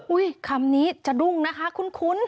อุยคำนี้จะดุ้งนะค่ะคุณ